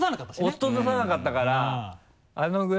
落とさなかったからあのぐらいの。